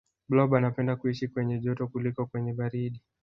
blob anapenda kuishi kwenye joto kuliko kwenye baridi